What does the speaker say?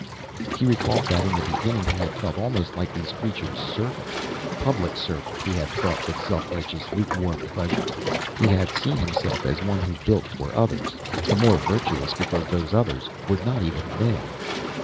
He recalled that in the beginning he had felt almost like these creatures' servant "public servant," he had thought, with self righteous lukewarm, pleasure. He had seen himself as one who built for others the more virtuous because those others were not even men.